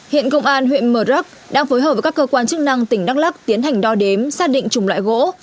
hiện công an huyện mờ rắc đang phối hợp với các cơ quan chức năng tỉnh đắk lắk tiến hành đo đếm xác định chủng loại gỗ